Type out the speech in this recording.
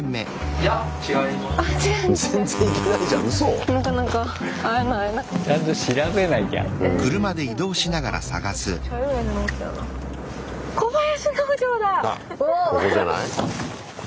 あっここじゃない？